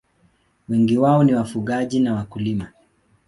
Wengi wao ni wafugaji na wakulima.